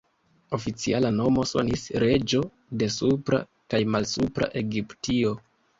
Oficiala nomo sonis ""reĝo de Supra kaj Malsupra Egiptio"".